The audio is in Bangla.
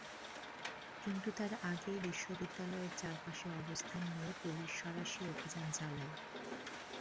কিন্তু তার আগেই বিশ্ববিদ্যালয়ের চারপাশে অবস্থান নিয়ে পুলিশ সাঁড়াশি অভিযান চালায়।